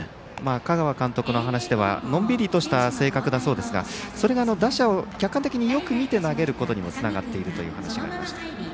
香川監督の話ではのんびりとした正確だそうですがそれが、打者を客観的によく見て投げることにつながっているという話がありました。